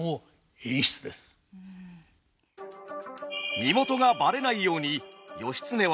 身元がバレないように義経は荷物持ちに。